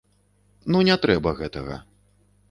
Ну не трэба гэтага.